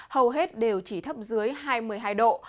hầu hết đều chỉ thấp dưới hai mươi hai độ